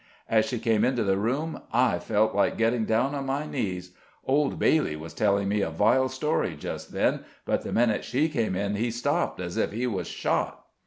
As she came into the room I felt like getting down on my knees. Old Bayle was telling me a vile story just then, but the minute she came in he stopped as if he was shot."